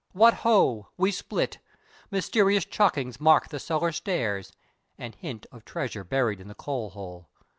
What ho! We split! Mysterious chalkings mark the cellar stairs and hint of treasure buried in the coal hole.